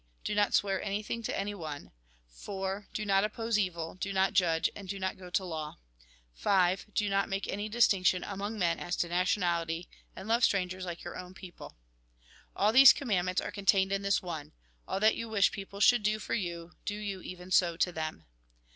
Do not swear anything to any one. IV. Do not oppose evil, do not judge and do not go to law. V. Do not make any distinction among men as to nationality, and love strangers like your own people. All these commandments are contained in this one : All that you wish people should do for you, do you even so to them.